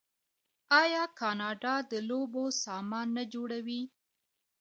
آیا کاناډا د لوبو سامان نه جوړوي؟